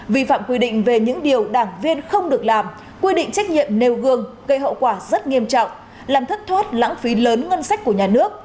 vi phạm quy định về những điều đảng viên không được làm quy định trách nhiệm nêu gương gây hậu quả rất nghiêm trọng làm thất thoát lãng phí lớn ngân sách của nhà nước